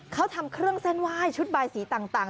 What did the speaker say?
เขาทำเครื่องเส้นไหว้ชุดบายสีต่าง